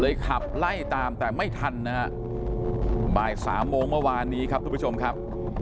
ขับไล่ตามแต่ไม่ทันนะฮะบ่ายสามโมงเมื่อวานนี้ครับทุกผู้ชมครับ